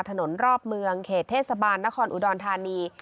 ถนนรอบเมืองเขตเทศบาลนครอุดรธานี